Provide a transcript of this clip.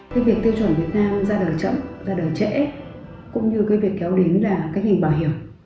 cái việc tiêu chuẩn việt nam ra đời chậm ra đời trễ cũng như cái việc kéo đến là cách hình bảo hiểm